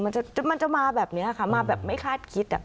มันจะมาแบบนี้ค่ะมาแบบไม่คาดคิด